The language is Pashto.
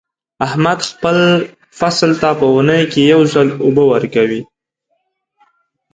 احمد خپل فصل ته په اونۍ کې یو ځل اوبه ورکوي.